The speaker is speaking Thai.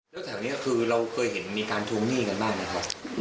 แล้วแถวนี้คือเราเคยเห็นมีการทวงหนี้กันบ้างไหมครับ